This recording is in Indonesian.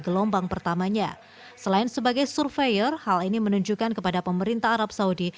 gelombang pertamanya selain sebagai surveyor hal ini menunjukkan kepada pemerintah arab saudi